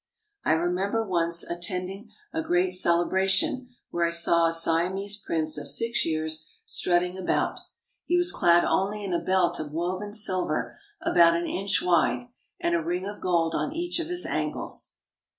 I remember once attending a great celebration where I saw a Siamese prince of six years strutting about. He was clad only in a belt of woven silver about an inch wide, and a ring of gold on each of his ankles.